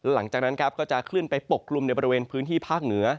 หลังจากนั้นครับก็จะขึ้นไปปกกลุ่มในบริเวณพื้นที่ภาคเหนือ